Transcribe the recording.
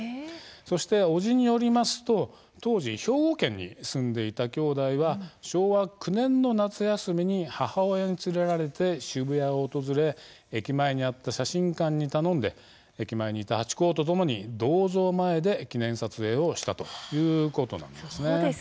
そして、おじによりますと当時、兵庫県に住んでいたきょうだいは昭和９年の夏休みに母親に連れられて渋谷を訪れ駅前にあった写真館に頼んで駅前にいたハチ公とともに銅像前で記念撮影をしたということなんです。